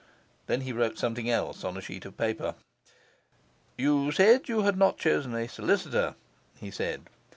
Then he wrote something else on a sheet of paper. 'You said you had not chosen a solicitor,' he said.